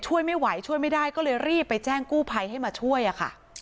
ช่วยไม่ไหวช่วยไม่ได้ก็เลยรีบไปแจ้งกู้ภัยให้มาช่วยอะค่ะ